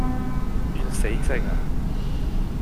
你轉死性呀